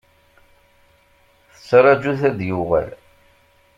Tettraju-t ad d-yuɣal.